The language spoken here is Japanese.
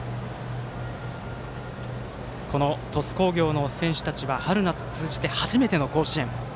この鳥栖工業の選手たちは春夏通じて初めての甲子園。